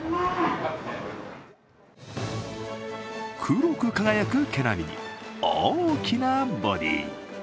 黒く輝く毛並みに、大きなボディー。